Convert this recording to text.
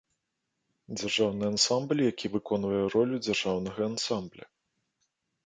Дзяржаўны ансамбль, які выконвае ролю дзяржаўнага ансамбля.